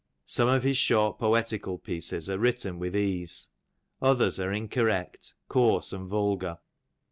Some of his short poetical pieces are written with ease, others are incorrect, coarse, and vulgar.